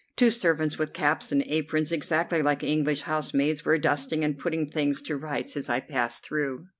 Two servants with caps and aprons, exactly like English housemaids, were dusting and putting things to rights as I passed through.